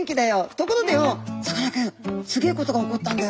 ところでよさかなクンすげえことが起こったんだよ」。